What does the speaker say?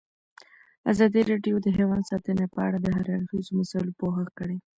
ازادي راډیو د حیوان ساتنه په اړه د هر اړخیزو مسایلو پوښښ کړی.